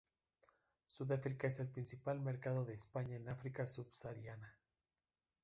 Sudáfrica es el principal mercado de España en África subsahariana.